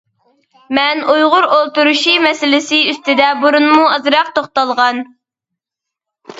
مەن ئۇيغۇر ئولتۇرۇشى مەسىلىسى ئۈستىدە بۇرۇنمۇ ئازراق توختالغان.